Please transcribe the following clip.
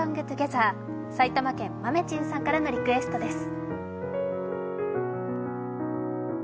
埼玉県まめちんさんからのリクエストです。